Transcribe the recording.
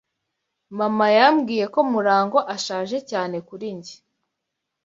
Mama yambwiye ko Murangwa ashaje cyane kuri njye.